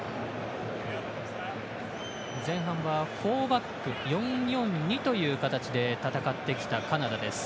前半はフォーバック４‐４‐２という形で戦ってきたカナダです。